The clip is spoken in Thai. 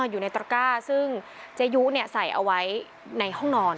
อยู่ในตระก้าซึ่งเจยุใส่เอาไว้ในห้องนอน